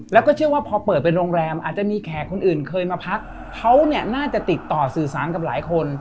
แล้วก็เชื่อว่าพอเปิดเป็นโรงแรมอาจจะมีแขกคนอื่นเคยมาพักเขาเนี่ยน่าจะติดต่อสื่อสารกับหลายคน